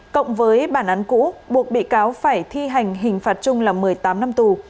cộng với bản án cũ buộc bị cáo phải thi hành hình phạt chung là một mươi tám năm tù